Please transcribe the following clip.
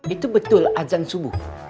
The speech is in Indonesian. itu betul azan subuh